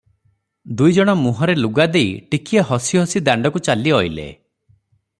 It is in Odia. ଦୁଇ ଜଣ ମୁହଁରେ ଲୁଗା ଦେଇ ଟିକିଏ ହସି ହସି ଦାଣ୍ଡକୁ ଚାଲି ଅଇଲେ ।